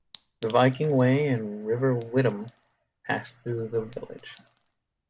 The Viking Way and River Witham pass through the village.